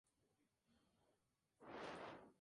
El nombre específico honra a Henry Seton, su descubridor.